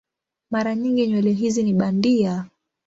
Mara nyingi nywele hizi ni bandia.